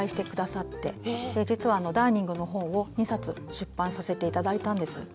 実はダーニングの本を２冊出版させて頂いたんです。